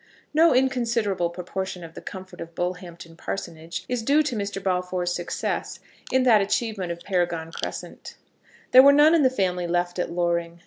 No inconsiderable proportion of the comfort of Bullhampton parsonage is due to Mr. Balfour's success in that achievement of Paragon Crescent. There were none of the family left at Loring.